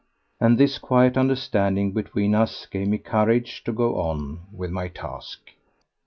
And this quiet understanding between us gave me courage to go on with my task.